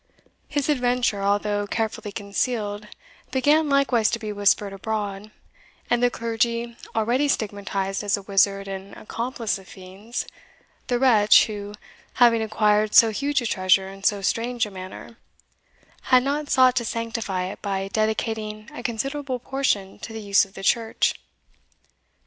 His adventure, although carefully concealed, began likewise to be whispered abroad, and the clergy already stigmatized as a wizard and accomplice of fiends, the wretch, who, having acquired so huge a treasure in so strange a manner, had not sought to sanctify it by dedicating a considerable portion to the use of the church.